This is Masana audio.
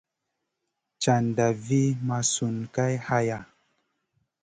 Caʼnda vi mʼasun Kay haya.